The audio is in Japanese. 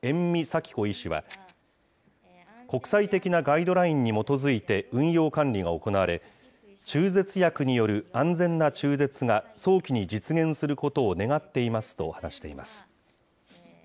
希子医師は、国際的なガイドラインに基づいて運用管理が行われ、中絶薬による安全な中絶が早期に実現することを願っていますと話しています。